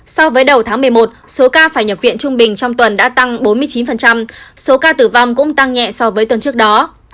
so với đầu tháng một mươi một số ca phải nhập viện trung bình trong tuần đã tăng bốn mươi chín số ca tử vong cũng tăng nhẹ so với tuần trước đó